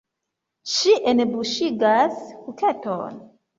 Ŝi enbuŝigas kuketon.